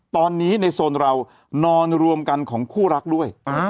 ตอนนี้ในโซนเรานอนรวมกันของคู่รักด้วย